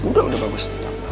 udah udah bagus